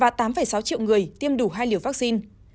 và tám sáu triệu người tiêm đủ hai liều vaccine